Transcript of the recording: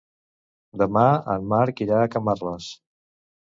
Demà en Marc irà a Camarles.